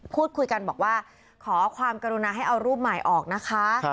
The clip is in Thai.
พูดคุยกันบอกว่าขอความกรุณาให้เอารูปใหม่ออกนะคะ